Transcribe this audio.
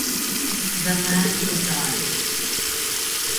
The Man Who Died